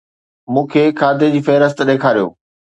مون کي کاڌي جي فهرست ڏيکاريو